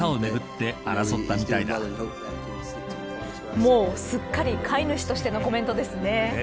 もうすっかり飼い主としてのコメントですね。